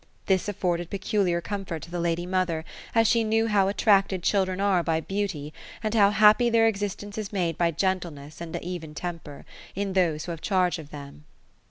This afforded peculiar comfort to the lady mother, as she knew how attracted children are by beauty ; and how happy their existence is made by gentleness and even temper, in those who have charge of them.